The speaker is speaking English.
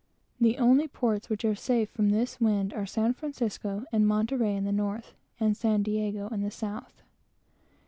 The only ports which are safe from this wind are San Francisco and Monterey in the north, and San Diego in the south.